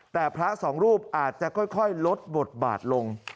แต่พระสองรูปอาจจะค่อยลดบทบาทลง